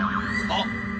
あっ！